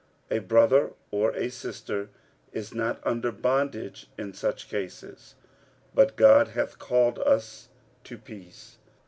A brother or a sister is not under bondage in such cases: but God hath called us to peace.